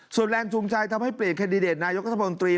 ส่วนแรงจูงใจทำให้เปลี่ยนแคนดิเดตนายกัธมนตรี